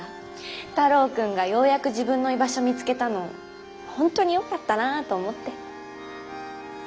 太郎君がようやく自分の居場所見つけたのホントによかったなーと思って。